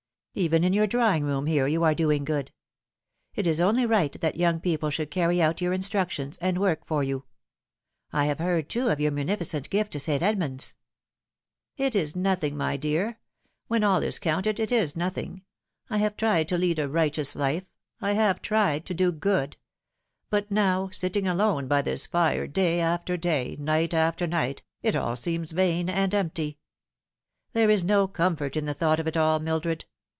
Even in your drawing room here you are doing good. It is only right that young people should carry out your instructions, and work for you. I have heard, too, of your munificent gift to St. Edmund's." " It is nothing, my dear. When all is counted, it is nothing. I have tried to lead a righteous lif e. I have tried to do good ; but now sitting alone by this fire day after day, night after night, it all seems vain and empty. There is no comfort in the thought of it all, Mildred.